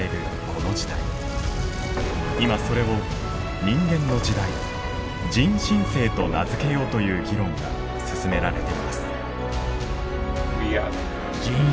今それを人間の時代人新世と名付けようという議論が進められています。